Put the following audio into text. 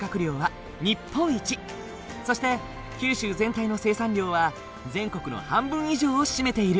そして九州全体の生産量は全国の半分以上を占めている。